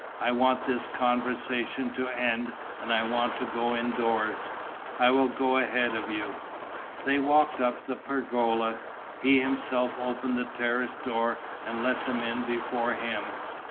I want this conversation to end and I want to go indoors." "I will go ahead of you." They walked up the pergola. He himself opened the terrace door and let them in before him.